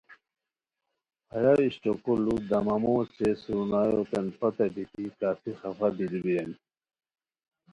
ہیہ اشٹوکو لُو دمامو اوچے سرنایوتین پتہ بیتی کافی خفا بیرو بیرانی